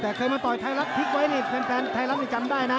แต่เคยมาต่อยไทยรัฐพลิกไว้นี่แฟนไทยรัฐนี่จำได้นะ